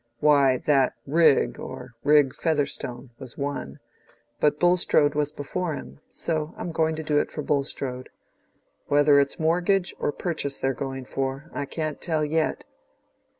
"Why, that Rigg, or Rigg Featherstone, was one. But Bulstrode was before him, so I'm going to do it for Bulstrode. Whether it's mortgage or purchase they're going for, I can't tell yet."